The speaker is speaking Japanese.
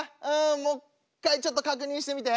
もっかいちょっと確認してみて。